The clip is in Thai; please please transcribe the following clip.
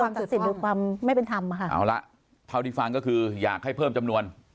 ศักดิ์สิทธิ์หรือความไม่เป็นธรรมค่ะเอาละเท่าที่ฟังก็คืออยากให้เพิ่มจำนวน